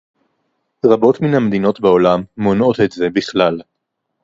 רבות מן המדינות בעולם מונעות את זה בכלל